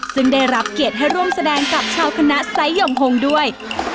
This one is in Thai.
ซึ่งได้รับเกียรติให้ร่วมแสดงกับชาวคณะไซส์ย่อมพงศ์ด้วย